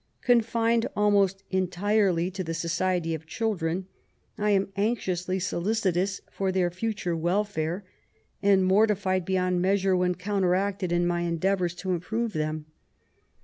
Confined almost entirely to the society of children, I am anxiously solicitous for their future welfare, and mortified beyond measure when counteracted in my endeavours to improve them.